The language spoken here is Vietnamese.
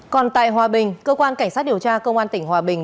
còn tại hòa bình cơ quan cảnh sát điều tra công an tp hcm